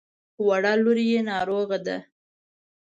وړه لور يې ناروغه ده.